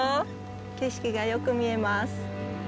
景色がよく見えます。